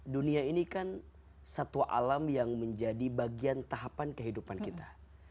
dunia ini kan satwa alam yang menjadi bagian tahapan kehidupan kita